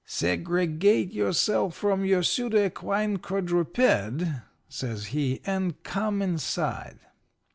"'Segregate yourself from your pseudo equine quadruped,' says he, 'and come inside.'